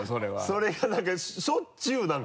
それがなんかしょっちゅうなんか。